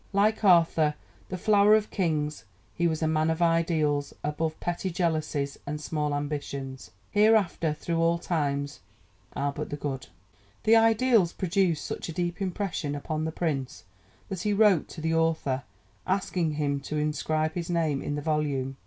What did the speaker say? Like Arthur, 'the flower of kings,' he was a man of ideals, above petty jealousies and small ambitions: Hereafter, thro' all times, Albert the Good. The Idylls produced such a deep impression upon the Prince that he wrote to the author, asking him to inscribe his name in the volume.